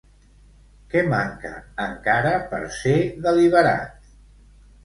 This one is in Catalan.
Què manca encara per ser deliberat?